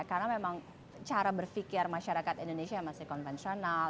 karena memang cara berpikir masyarakat indonesia masih konvensional